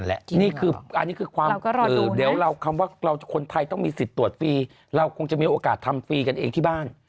อันนี้คือความว่าคนไทยต้องมีสิทธิ์ตรวจฟรีเราคงจะมีโอกาสทำฟรีกันเองที่บ้าน